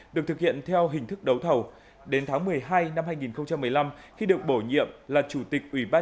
được thực hiện theo hình thức đấu thầu đến tháng một mươi hai năm hai nghìn một mươi năm khi được bổ nhiệm là chủ tịch ủy ban